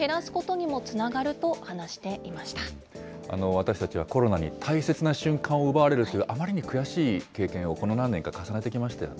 私たちはコロナに大切な瞬間を奪われるという、あまりに悔しい経験をこの何年か重ねてきましたよね。